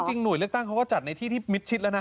หน่วยเลือกตั้งเขาก็จัดในที่ที่มิดชิดแล้วนะ